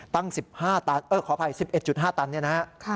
ตั้ง๑๑๕ตัน